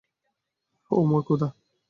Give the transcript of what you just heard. ওহ, মোর খোদা।